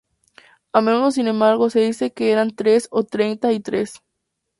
A menudo sin embargo se dice que eran tres, o treinta y tres.